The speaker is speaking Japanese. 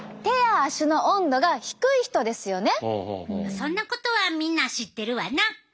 そんなことはみんな知ってるわな。